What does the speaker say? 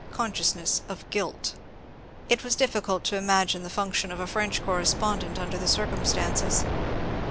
consciousness of guilt. It was difficult to imagine the function of a French correspondent under the circumstances.